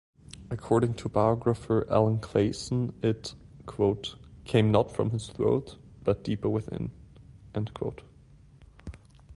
According to biographer Alan Clayson, it "came not from his throat but deeper within".